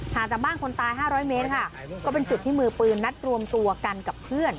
จากบ้านคนตาย๕๐๐เมตรค่ะก็เป็นจุดที่มือปืนนัดรวมตัวกันกับเพื่อน